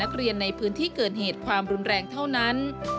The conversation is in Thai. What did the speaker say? นักเรียนในพื้นที่เกิดเหตุความรุนแรงเท่านั้น